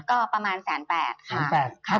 ก็ประมาณ๑๘๐๐๐ค่ะ